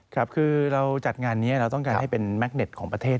ครับคือเราจัดงานนี้เราต้องการให้เป็นแม็กเน็ตของประเทศ